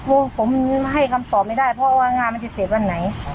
ผมให้คำตอบไม่ได้เพราะว่างานมันจะเสร็จวันไหน